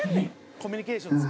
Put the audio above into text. コミュニケーションです。